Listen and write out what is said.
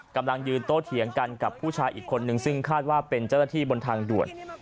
กำลังยืนโตเถียงกันกับผู้ชายอีกคนนึงซึ่งคาดว่าเป็นเจ้าหน้าที่บนทางด่วน